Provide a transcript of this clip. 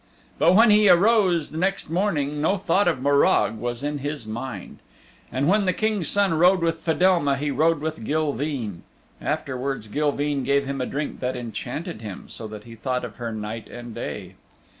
But when he arose the next morning no thought of Morag was in his mind. And when the King's Son rode with Fedelma he rode with Gilveen. Afterwards Gilveen gave him a drink that enchanted him, so that he thought of her night and day.